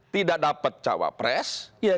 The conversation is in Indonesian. tidak dapat capres